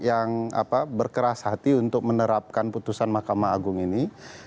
yang berkeras hati untuk menerapkan putusan mahkamah agung ini